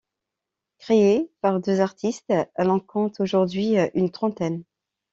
Créée par deux artistes, elle en compte aujourd'hui une trentaine.